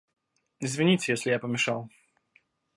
Извините, если я помешал.